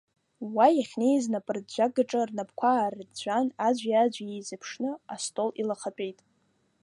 Уа иахьнеиз анапырӡәӡәагаҿы, рнапқәа аарыӡәӡәан, аӡәи-аӡәи иеизыԥшны, астол илахатәеит.